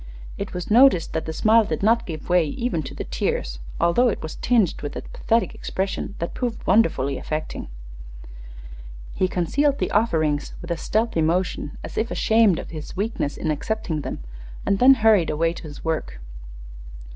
It was noticed that the smile did not give way even to the tears, although it was tinged with a pathetic expression that proved wonderfully affecting. He concealed the offerings with a stealthy motion, as if ashamed of his weakness in accepting them, and then hurried away to his work.